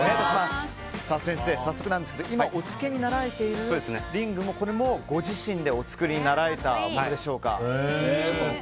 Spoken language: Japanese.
先生、早速なんですが今お着けになられているリングもご自身でお作りになられたものでしょうか。